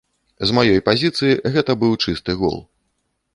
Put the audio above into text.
З маёй пазіцыі гэта быў чысты гол.